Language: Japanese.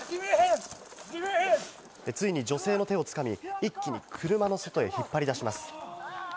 ついに女性の手をつかみ、一気に車の外へ引っ張り出します。